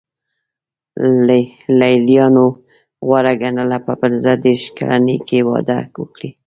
لېلیانو غوره ګڼله په پنځه دېرش کلنۍ کې واده وکړي.